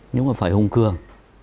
nhưng mà phải hùng cường